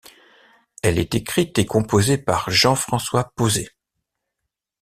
Elle est écrite et composée par Jean-François Pauzé.